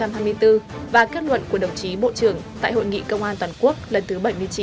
năm hai nghìn hai mươi bốn và kết luận của đồng chí bộ trưởng tại hội nghị công an toàn quốc lần thứ bảy mươi chín